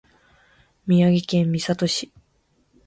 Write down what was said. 宮城県美里町